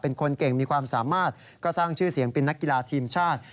เป็นคนเก่งมีความสามารถก็สร้างชื่อเสียงเป็นนักกีฬาทีมชาติ